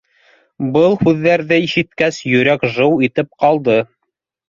Был һүҙҙәрҙе ишеткәс, йөрәк жыу итеп ҡалды.